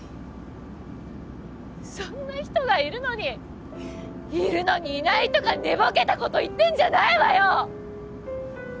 そんな人がいるのにいるのにいないとか寝ぼけたこと言ってんじゃないわよ！